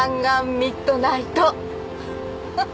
ミッドナイトふふ